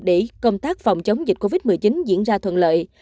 để công tác phòng chống dịch covid một mươi chín diễn ra thuận lợi